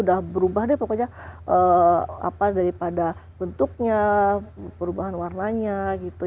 udah berubah deh pokoknya daripada bentuknya perubahan warnanya gitu